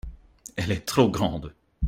Elle est trop grande.